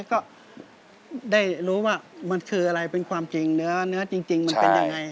ก็ได้รู้ว่ามันคืออะไรเป็นความจริงเนื้อจริงมันเป็นยังไง